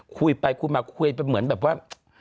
คุยไปคุยมาคุยเป็นเหมือนแบบว่า